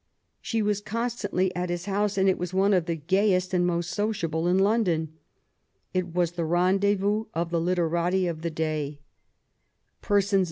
She was constantly at his house, and it was one of the gayest and most sociable in London. It was the rendezvous of the literati of the day. Persons 78 MAET WOLLSTOXECRAFT GODWIN.